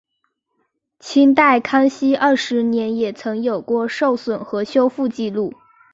清代康熙二十年也曾有过受损和修复纪录。